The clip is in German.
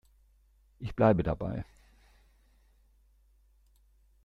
Ich bleibe dabei.